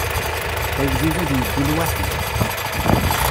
Agdud ad yeddu lwaḥid.